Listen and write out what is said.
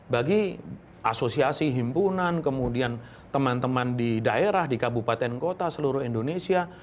bagi asosiasi himpunan kemudian teman teman di daerah di kabupaten kota seluruh indonesia